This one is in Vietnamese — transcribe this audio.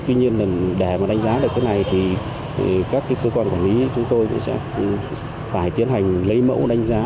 tuy nhiên để đánh giá được thế này thì các cơ quan quản lý chúng tôi cũng sẽ phải tiến hành lấy mẫu đánh giá